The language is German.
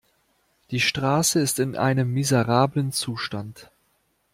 Die Straße ist in einem miserablen Zustand.